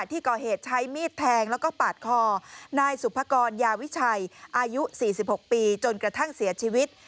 ที่ก่อเหตุใช้มีดแทงแล้วก็ปาดคอนายสุภกรยาวิชัยอายุ๔๖ปีจนกระทั่งเสียชีวิต